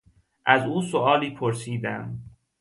از او سؤالی پرسیدم.